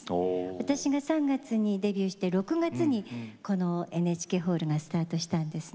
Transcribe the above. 私が３月にデビューして６月にこのＮＨＫホールがスタートしたんですね。